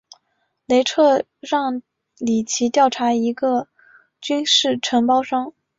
雷彻让里奇调查一个军事承包商。